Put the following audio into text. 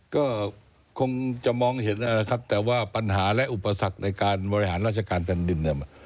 ก็คงจะมองเห็นแล้วนะครับแต่ว่าปัญหาและอุปสรรคในการบริหารราชการแผ่นดินเนี่ย